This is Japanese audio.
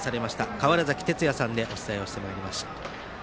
川原崎哲也さんとお伝えしてまいりました。